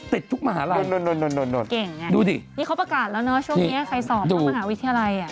ทุกมหาลัยเก่งไงดูดินี่เขาประกาศแล้วเนอะช่วงนี้ใครสอบเข้ามหาวิทยาลัยอ่ะ